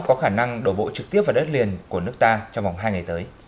có khả năng đổ bộ trực tiếp vào đất liền của nước ta trong vòng hai ngày tới